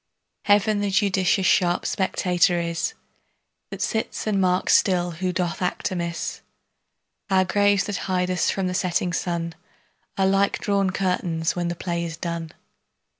Heaven the judicious sharp spectator is, That sits and marks still who doth act amiss. Our graves that hide us from the setting sun Are like drawn curtains when the play is done.